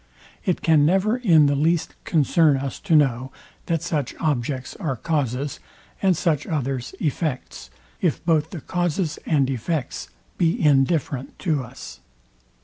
It can never in the least concern us to know, that such objects are causes, and such others effects, if both the causes and effects be indifferent to us.